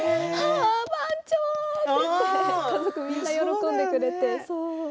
番長！って家族みんな喜んでくれて。